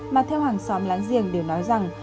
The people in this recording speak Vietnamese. mà theo hàng xóm láng giềng đều nói rằng